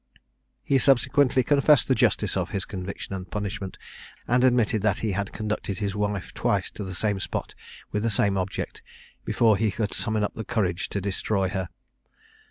He subsequently confessed the justice of his conviction and punishment; and admitted that he had conducted his wife twice to the same spot with the same object, before he could summon up courage to destroy her.